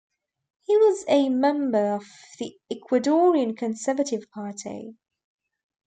He was a member of the Ecuadorian Conservative Party.